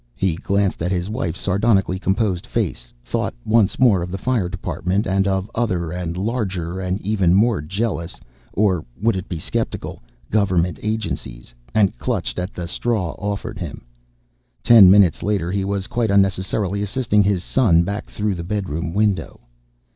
He glanced at his wife's sardonically composed face, thought once more of the Fire Department and of other and larger and even more jealous or would it be skeptical? government agencies, and clutched at the straw offered him. Ten minutes later, he was quite unnecessarily assisting his son back through the bedroom window.